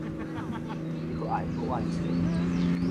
閣愛閣怨慼